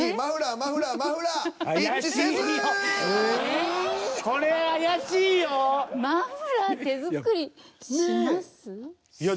マフラー手作りします？